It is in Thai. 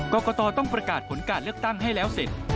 กรกตต้องประกาศผลการเลือกตั้งให้แล้วเสร็จ